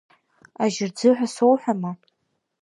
Ажьырӡы ҳәа соуҳәама…